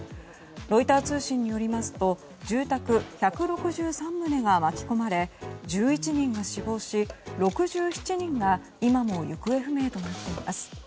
ロイター通信によりますと住宅１６３棟が巻き込まれ１１人が死亡し、６７人が今も行方不明となっています。